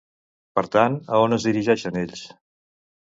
Per tant, a on es dirigeixen ells?